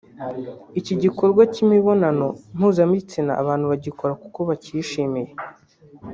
Iki gikorwa cy’imibonano mpuzabitsina abantu bagikora kuko bacyishimiye